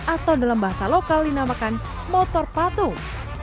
atau dalam bahasa lokal dinamakan motor patung